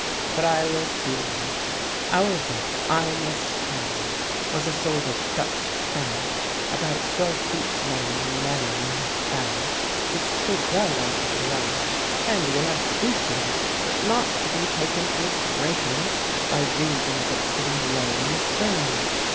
"But I was too late. Our boat, I must tell you, was a sort of Dutch pram, about twelve feet long and narrowing at the bows, which stood well out of water; handy enough for beaching, but not to be taken through breakers, by reason of its sitting low in the stern.